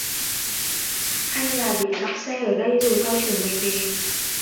hay là để tamj xe ở đây rồi tao chở mày về